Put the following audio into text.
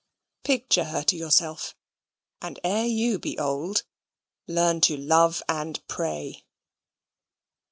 Picture her to yourself, and ere you be old, learn to love and pray!